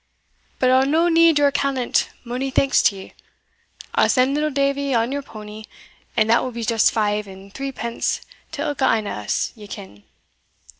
But I'll no need your callant, mony thanks to ye I'll send little Davie on your powny, and that will be just five and threepence to ilka ane o' us, ye ken."